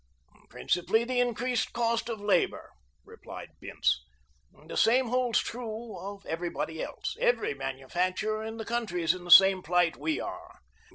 "Principally the increased cost of labor," replied Bince. "The same holds true of everybody else. Every manufacturer in the country is in the same plight we are."